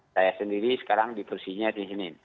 saya sendiri sekarang di kursinya di sini